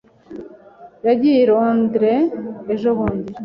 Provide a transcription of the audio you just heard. Yagiye i Londres ejobundi.